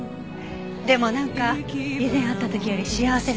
でもなんか以前会った時より幸せそう。